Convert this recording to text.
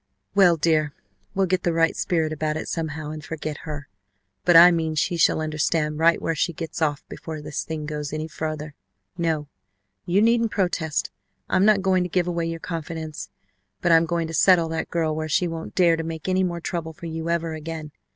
"Well, dear, we'll get the right spirit about it somehow, and forget her, but I mean she shall understand right where she gets off before this thing goes any farther. No, you needn't protest. I'm not going to give away your confidence. But I'm going to settle that girl where she won't dare to make any more trouble for you ever again.